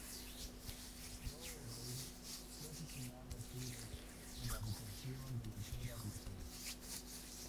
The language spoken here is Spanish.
Joe Byrne fue asesinado a tiros en la habitación delantera del hotel.